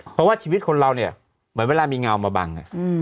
เพราะว่าชีวิตคนเราเนี่ยเหมือนเวลามีเงามาบัง